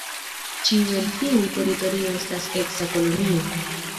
Ĉiu el tiuj teritorioj estas eksa kolonio.